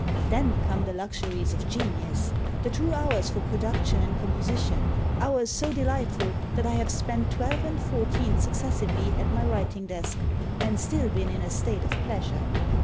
Then come the luxuries of genius! the true hours for production and composition; hours so delightful, that I have spent twelve and fourteen successively at my writing desk, and still been in a state of pleasure."